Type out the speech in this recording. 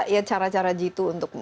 ya cara cara jitu untuk